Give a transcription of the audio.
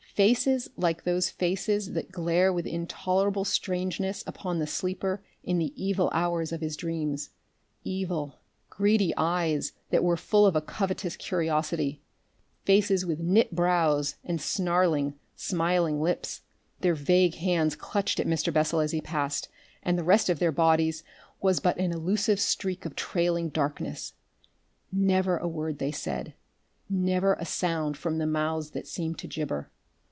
Faces like those faces that glare with intolerable strangeness upon the sleeper in the evil hours of his dreams. Evil, greedy eyes that were full of a covetous curiosity, faces with knit brows and snarling, smiling lips; their vague hands clutched at Mr. Bessel as he passed, and the rest of their bodies was but an elusive streak of trailing darkness. Never a word they said, never a sound from the mouths that seemed to gibber.